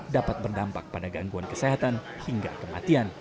dapat berdampak pada gangguan kesehatan hingga kematian